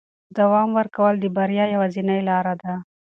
دوام ورکول د بریا یوازینۍ لاره ده.